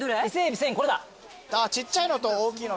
ちっちゃいのと大きいのと。